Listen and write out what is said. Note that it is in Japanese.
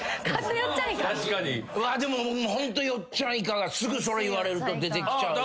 でもホントよっちゃんイカがすぐそれ言われると出てきちゃう。